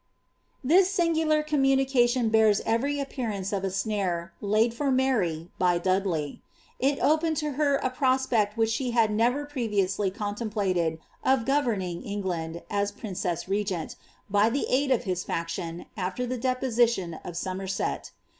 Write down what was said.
This singular communication bears every appearance of a snare, laid for Mary, by Dudley. It opened to her a prospect which she had never previously contemplated, of governing England, as princess regent, bf the aid of his faction, after the deposition of Somerset.